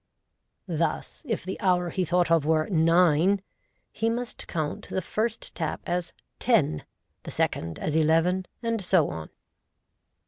(Thus, if the hour he thought of were " nine," he must count the first tap as " ten," the second as " eleven," and so on.)